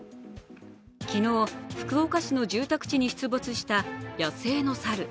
昨日、福岡市の住宅地に出没した野生の猿。